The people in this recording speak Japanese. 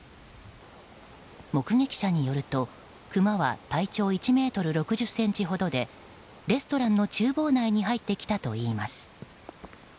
目撃者によるとクマは体長１ｍ６０ｃｍほどでレストランの厨房内に入ってきたといいます。